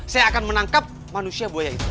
saya akan menangkap manusia buaya itu